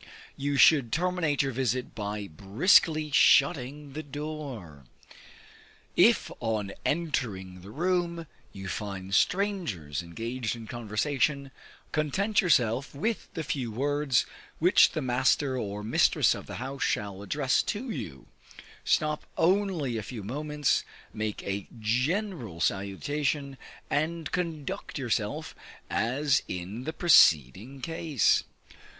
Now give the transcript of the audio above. You should terminate your visit by briskly shutting the door. If, on entering the room, you find strangers engaged in conversation, content yourself with the few words which the master or mistress of the house shall address to you; stop only a few moments, make a general salutation, and conduct yourself as in the preceding case.